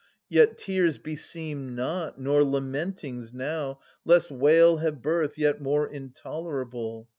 Yet tears beseem not, nor lamentings now, Lest wail have birth yet more intolerable.